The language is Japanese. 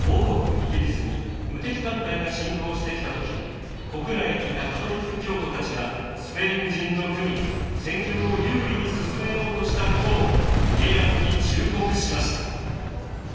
イギリスに無敵艦隊が侵攻してきた時国内にいたカトリック教徒たちがスペイン人と組み戦況を優位に進めようとしたことを家康に忠告しました。